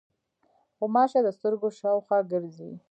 غوماشې د سترګو شاوخوا ګرځي.